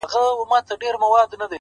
اوس هم زما د وجود ټوله پرهرونه وايي ـ